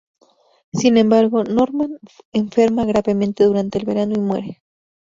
Sin embargo, Norman enferma gravemente durante el verano y muere.